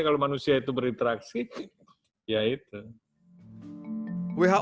kalau manusia itu berinteraksi ya itu